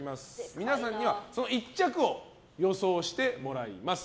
皆さんにはその１着を予想してもらいます。